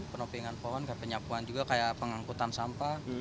penopingan pohon kayak penyapuan juga kayak pengangkutan sampah